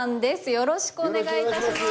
よろしくお願いします。